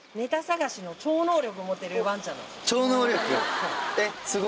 超能力？